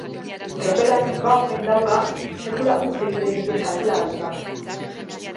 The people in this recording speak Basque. Tropelak ba omen dauka sekula huts egiten ez duen kalkulagailu bat.